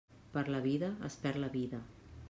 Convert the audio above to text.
Per la vida es perd la vida.